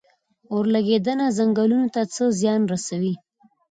اورلګیدنه ځنګلونو ته څه زیان رسوي؟